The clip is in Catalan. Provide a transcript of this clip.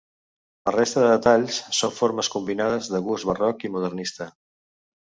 La resta de detalls són formes combinades de gust barroc i modernista.